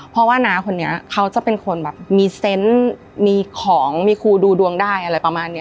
เพราะว่าน้าคนนี้เขาจะเป็นคนแบบมีเซนต์มีของมีครูดูดวงได้อะไรประมาณนี้